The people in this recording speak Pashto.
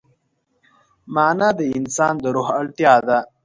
معنی د انسان د روح اړتیا ده.